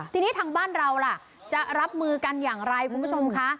ทีนี้ทางบ้านเราล่ะจะรับมือกันอย่างไรคุณผู้ชมคะ